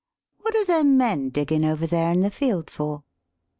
"What are them men diggin' over there in the field for?"